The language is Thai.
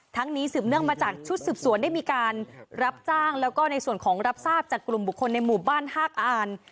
นี้สืบเนื่องมาจากชุดสืบสวนได้มีการรับจ้างแล้วก็ในส่วนของรับทราบจากกลุ่มบุคคลในหมู่บ้านฮากอ่าน